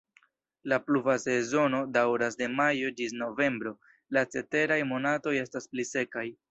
La pluva sezono daŭras de majo ĝis novembro, la ceteraj monatoj estas pli sekaj.